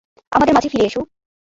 আমাদের মাঝে ফিরে এসো।